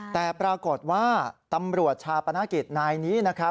แต่ปรากฏว่าตำรวจชาปนกิจนายนี้นะครับ